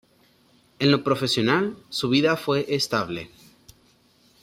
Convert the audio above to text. En lo profesional, su vida fue estable.